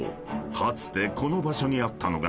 かつてこの場所にあったのが］